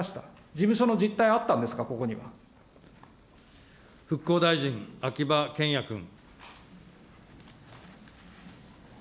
事務所の実体はあったんですか、復興大臣、秋葉賢也君。